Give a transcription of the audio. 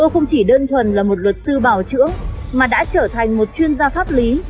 không chỉ đơn thuần là một luật sư bảo chữa mà đã trở thành một chuyên gia pháp lý